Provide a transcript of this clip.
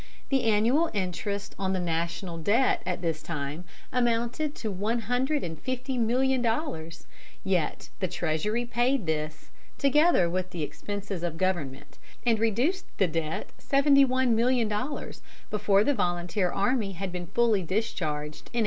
The annual interest on the national debt at this time amounted to one hundred and fifty million dollars. Yet the Treasury paid this, together with the expenses of government, and reduced the debt seventy one million dollars before the volunteer army had been fully discharged in 1866.